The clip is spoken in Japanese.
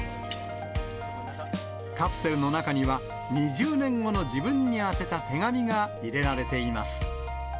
カプセルの中には、２０年後の自分に宛てた手紙が入れられています。